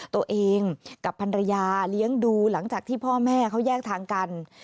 ตัวเองกับพันรยาเลี้ยงดูหลังจากที่พ่อแม่เขาแยกทางกัน